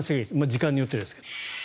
時間によってですけれど。